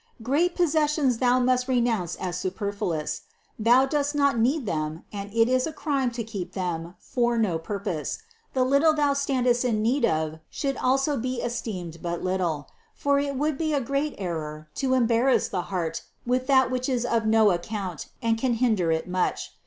Great possessions thou must renounce as superfluous ; thou dost not need them and it is a crime to keep them for no purpose ; the little thou standst in need of should also be esteemed but little; for it would be a great error to embarrass the heart with that which is of no account and can hinder it much.